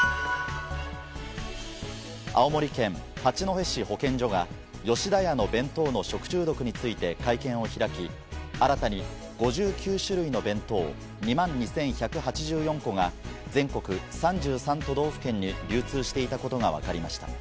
青森県八戸市保健所が、吉田屋の弁当の食中毒について会見を開き、新たに５９種類の弁当２万２１８４個が全国３３都道府県に流通していたことが分かりました。